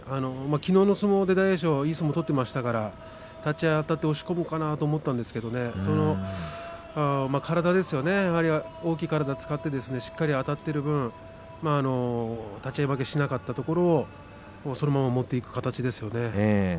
きのうの相撲で大栄翔はいい相撲を取っていましたから立ち合い、あたって押し込むかなと思ったんですが体ですね大きい体を使って、しっかりあたっている分立ち合い負けしなかったところをそのまま取っていく形ですよね。